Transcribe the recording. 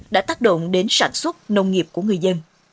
đã tác động đến sản xuất nông nghiệp của người dân